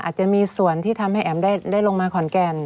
อาจจะมีส่วนที่ทำให้แอ๋มได้ลงมาขอนแก่น